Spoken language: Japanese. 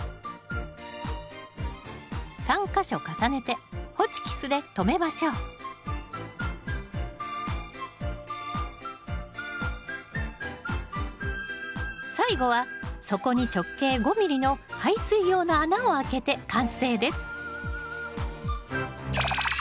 ３か所重ねてホチキスで留めましょう最後は底に直径５ｍｍの排水用の穴をあけて完成です